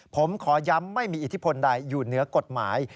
ผมขอย้ำไม่มีอิทธิพลใดอยู่เหนือกฎหมาย